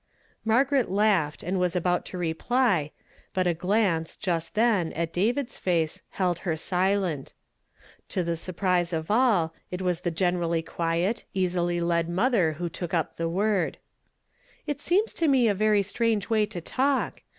Margaret laughed, and was ahout to reply, but a glance, just then, at David's face, held her silent. To the surprise of all, it was the generally quiet, easily led mother who took up the word. " That seems to me a very strange way to t".lk.